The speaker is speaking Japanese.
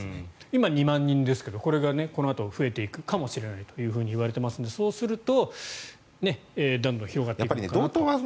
今、２万人ですがこれがこのあと増えていくかもしれないといわれていますからそうするとだんだん広がっていくのかなと。